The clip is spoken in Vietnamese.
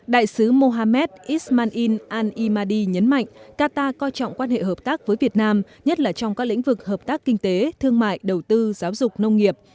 đại sứ mohammed ismail al imadi nhấn mạnh qatar coi trọng quan hệ hợp tác với việt nam nhất là trong các lĩnh vực hợp tác kinh tế thương mại đầu tư giáo dục nông nghiệp